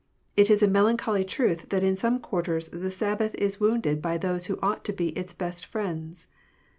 It is a melancholy truth that in some quarters the Sabbath is wounded by those who ought to be its best friends.